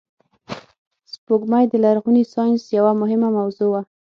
سپوږمۍ د لرغوني ساینس یوه مهمه موضوع وه